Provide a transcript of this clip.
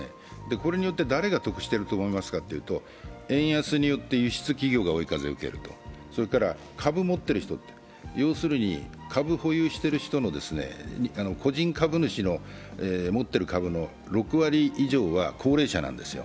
これによって誰が得していると思いますかというと円安によって輸出企業が追い風を受ける、それから株持ってる人、要するに、株を保有してる人の個人株主の持っている株の６割以上は高齢者なんですよ。